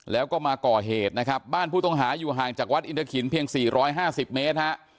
แล้วก็มาก่อเหตุนะครับบ้านผู้ต้องหาอยู่ห่างจากวัดอินทะขินเพียง๔๕๐เมตรฮะ